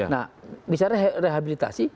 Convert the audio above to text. nah misalnya rehabilitasi